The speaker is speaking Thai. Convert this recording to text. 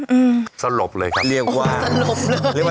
ให้อาหารสลบเลยครับ